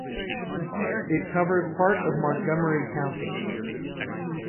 It covers part of Montgomery County.